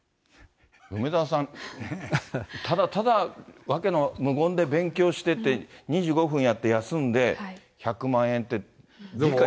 梅沢さん、ただただ無言で勉強してて、２５分やって休んで１００万円って。